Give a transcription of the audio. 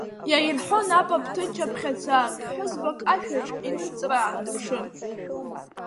Иаирҳәон апап, ҭынч аԥхьарца, ԥҳәызбак ашәаҿ иныҵраан дыԥшын…